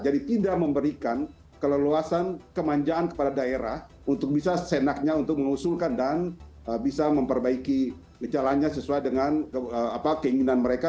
jadi tidak memberikan keleluasan kemanjaan kepada daerah untuk bisa senaknya untuk mengusulkan dan bisa memperbaiki jalannya sesuai dengan keinginan mereka